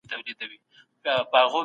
زده کړه د ټولنې د فکري ودې لپاره مهمه ده.